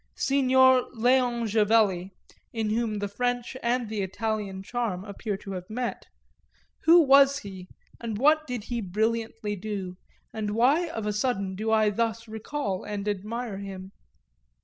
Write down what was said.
Signor Léon Javelli, in whom the French and the Italian charm appear to have met, who was he, and what did he brilliantly do, and why of a sudden do I thus recall and admire him?